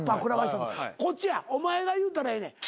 こっちやお前が言うたらええねん。